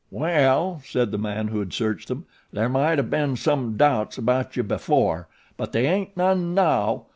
"Well," said the man who had searched them. "There might o' been some doubts about you before, but they aint none now.